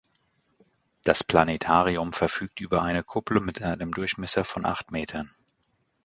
Das Planetarium verfügt über eine Kuppel mit einem Durchmesser von acht Metern.